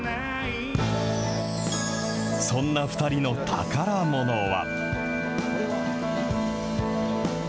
そんな２人の宝ものは。